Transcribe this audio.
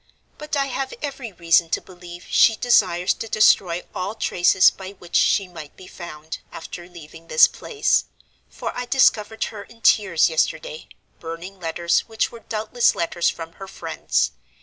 But I have every reason to believe she desires to destroy all traces by which she might be found, after leaving this place—for I discovered her in tears yesterday, burning letters which were doubtless letters from her friends.